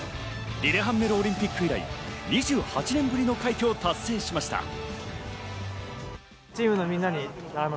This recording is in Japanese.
リレハンメルオリンピック以来２８年ぶりの快挙を達成しました。